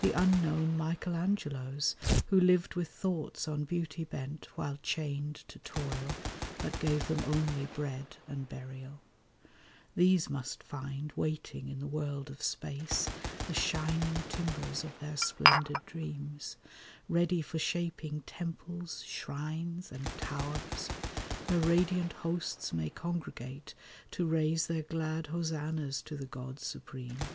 The unknown Michelangelos who lived With thoughts on beauty bent while chained to toil That gave them only bread and burial— These must find waiting in the world of space The shining timbers of their splendid dreams, Ready for shaping temples, shrines, and towers, Where radiant hosts may congregate to raise Their glad hosannas to the God Supreme.